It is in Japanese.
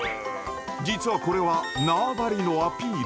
実はこれは縄張りのアピール。